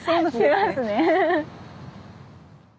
しますね。